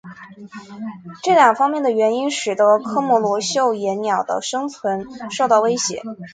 这两方面的原因使得科摩罗绣眼鸟的生存受到威胁。